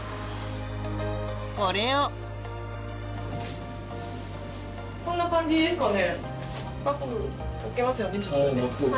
これをこんな感じですかね？